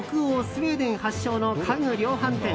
スウェーデン発祥の家具量販店